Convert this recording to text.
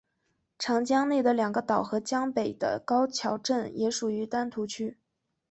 长江内的两个岛和江北的高桥镇也属于丹徒区。